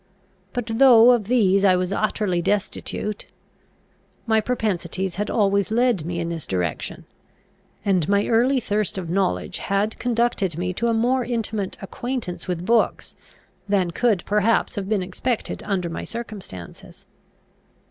But, though of these I was utterly destitute, my propensities had always led me in this direction; and my early thirst of knowledge had conducted me to a more intimate acquaintance with books, than could perhaps have been expected under my circumstances.